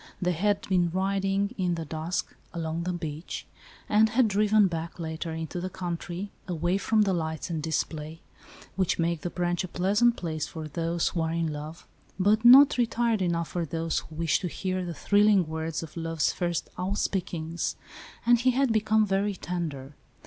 They had been riding, in the dusk, along the beach. 26 ALICE ; OR, THE WAGES OF SIN. and had driven back, later, into the country, away from the lights and display, which make the Branch a pleasant place for those who are in love, but not retired enough for those who wish to hear the thrilling words of love's first outspeakings, and he had become very tender.